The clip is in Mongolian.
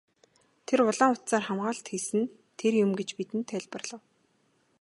Тэр улаан утсаар хамгаалалт хийсэн нь тэр юм гэж бидэнд тайлбарлав.